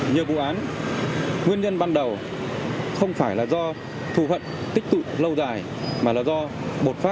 nhiều vụ án nguyên nhân ban đầu không phải là do thù hận tích tụ lâu dài mà là do bột phát